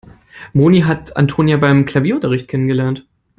Moni hat Antonia beim Klavierunterricht kennengelernt.